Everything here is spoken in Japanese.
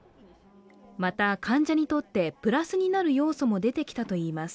また、患者にとってプラスになる要素も出てきたといいます。